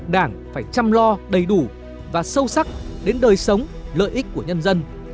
đảng phải chăm lo đầy đủ và sâu sắc đến đời sống lợi ích của nhân dân